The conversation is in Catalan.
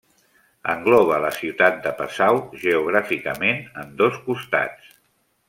Engloba la ciutat de Passau geogràficament en dos costats.